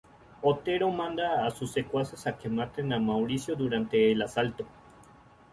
Otero manda a sus secuaces a que maten a Mauricio durante el asalto.